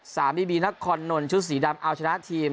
บีบีนักคอนนท์ชุดสีดำเอาชนะทีม